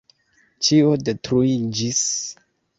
Ĉio detruiĝis.